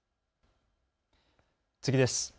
次です。